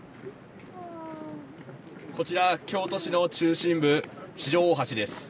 こちら、京都市の中心部、四条大橋です。